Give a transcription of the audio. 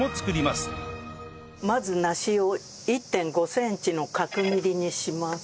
まず梨を１．５センチの角切りにします。